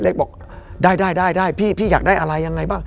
เล็กบอกได้พี่อยากได้อะไรยังไงบ้าง